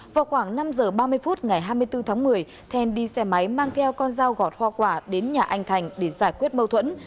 vào khoảng năm giờ ba mươi phút ngày hai mươi bốn tháng một mươi then đi xe máy mang theo con dao gọt hoa quả đến nhà anh thành để giải quyết mâu thuẫn